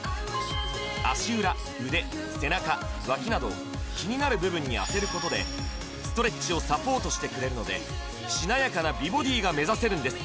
足裏腕背中脇など気になる部分に当てることでストレッチをサポートしてくれるのでしなやかな美ボディーが目指せるんです